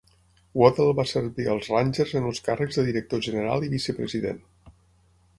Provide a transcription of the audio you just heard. Waddell va servir als Rangers en els càrrecs de director general i vicepresident.